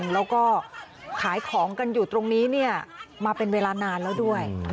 แล้วก็ขายของกันอยู่ตรงนี้มาเป็นเวลานานแล้วด้วย